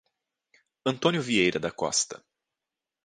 Antônio Vieira da Costa